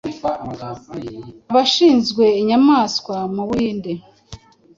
abashinzwe inyamaswa mu buhinde